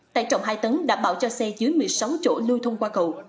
tải trọng hai tấn đảm bảo cho xe dưới một mươi sáu chỗ lưu thông qua cầu